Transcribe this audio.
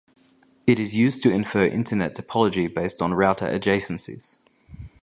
It is used to infer Internet topology based on router adjacencies.